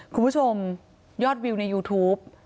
คุณผู้ชมยอดวิวในยูทูป